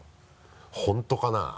本当かな？